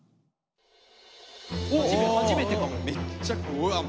初めてかも。